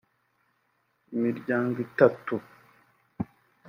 Imiryango itatu